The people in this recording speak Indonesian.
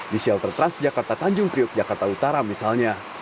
di shelter transjakarta tanjung priok jakarta utara misalnya